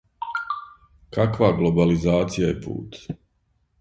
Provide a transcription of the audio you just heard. Каква глобализација је пут?